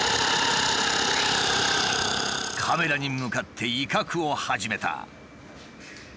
カメラに向かって威嚇を始めた。